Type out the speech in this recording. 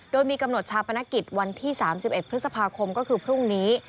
โดยมีกำหนดชาปนกิจวันที่๓๑พฤษภาคมก็คือพรุ่งนี้